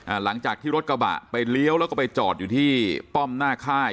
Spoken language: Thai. หลังจากที่รถกระบะไปเลี้ยวแล้วก็ไปจอดอยู่ที่ป้อมหน้าค่าย